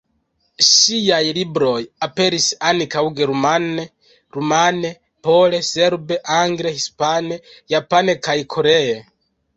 Ŝiaj libroj aperis ankaŭ germane, rumane, pole, serbe, angle, hispane, japane kaj koree.